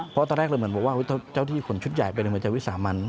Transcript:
เพราะตอนแรกเลยเหมือนว่าเจ้าที่คุณชุดใหญ่เป็นมีวีสาท์มัน